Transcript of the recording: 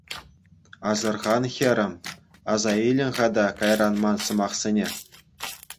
Асӑрхан, хӗрӗм, аса илӗн-ха та кайран ман сӑмахсене.